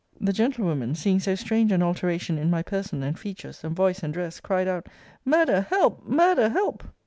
The gentlewoman, seeing so strange an alteration in my person, and features, and voice, and dress, cried out, Murder, help! murder, help!